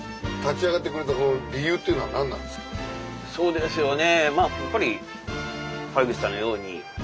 そうですよね